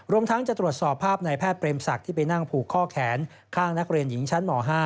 ทั้งจะตรวจสอบภาพในแพทย์เปรมศักดิ์ที่ไปนั่งผูกข้อแขนข้างนักเรียนหญิงชั้นหมอ๕